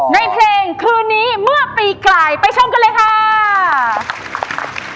ในเพลงคืนนี้เมื่อปีกลายไปชมกันเลยค่ะ